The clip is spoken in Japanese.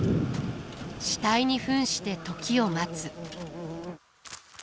死体に扮して時を待つ。